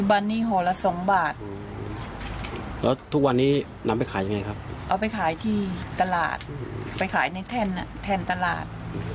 มีกี่อันครับมั๊ดหนึ่ง